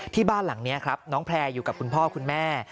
บ้านหลังนี้ครับน้องแพร่อยู่กับคุณพ่อคุณแม่